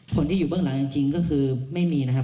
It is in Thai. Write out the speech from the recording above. คนที่อยู่เบื้องหลังจริงก็คือไม่มีนะครับ